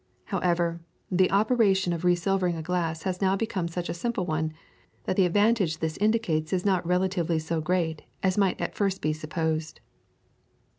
However, the operation of re silvering a glass has now become such a simple one that the advantage this indicates is not relatively so great as might at first be supposed.